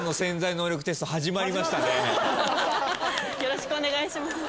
よろしくお願いします。